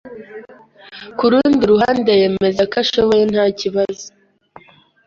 ku rundi ruhande yemeza ko ashoboye ntakibazo